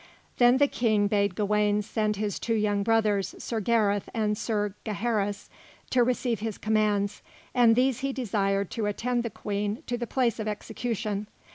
Then the King bade Gawain send his two young brothers, Sir Gareth and Sir Gaheris, to receive his commands, and these he desired to attend the Queen to the place of execution.